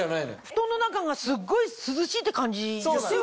布団の中がすっごい涼しいって感じではないの？